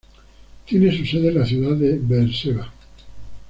Tiene su sede en la ciudad de Beerseba.